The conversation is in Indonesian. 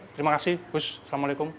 terima kasih gus assalamualaikum